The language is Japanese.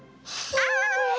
ああ！